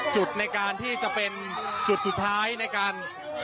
จุดในการที่จะเป็นจุดสุดท้ายในการ